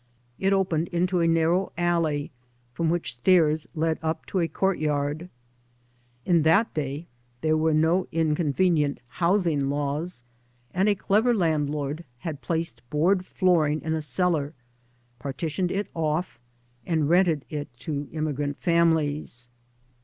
It opened into a narrow alley from which stairs led up to a courtyard. In that day there were no inconvenient housing laws, and a clever landlord had placed board flooring in a cellar, partitioned It ofE, and rented it to immigrant families.